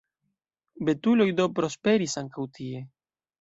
Betuloj do prosperis ankaŭ tie.